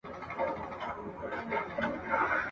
ملنګه ! ستوري څۀ وائي چې ځمکې ته راګوري؟ ..